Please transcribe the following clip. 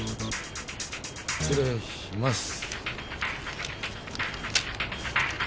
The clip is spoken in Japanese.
失礼します。